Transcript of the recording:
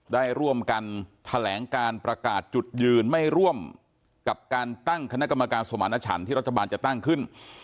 ได้ร่วมกันแถลงการประกาศจุดยืนไม่ร่วมกับการตั้งคณะกรรมการสมารณชันที่รัฐบาลจะตั้งขึ้น